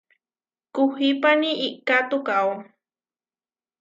Kuhuípani íka tukaó.